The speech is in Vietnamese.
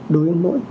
đối với mỗi chợ